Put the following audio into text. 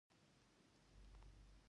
د ورېښمو چینجی ورېښم تولیدوي